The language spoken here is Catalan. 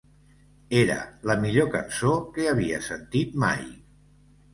Era la millor cançó que havia sentit mai.